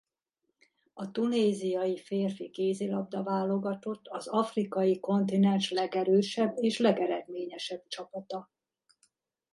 A tunéziai férfi kézilabda-válogatott az afrikai kontinens legerősebb és legeredményesebb csapata.